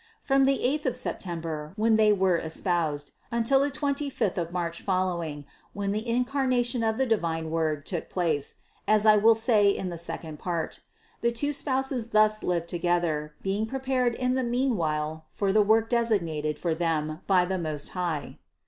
From the eighth of September, when they were espoused, until the twenty fifth of March fol lowing, when the Incarnation of the divine Word took place (as I will say in the second part), the two Spouses thus lived together, being prepared in the meanwhile for the work designated for them by the Most High.